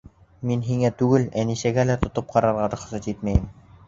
Мин һиңә түгел, Әнисәгә лә тотоп ҡарарға рөхсәт итмәйем!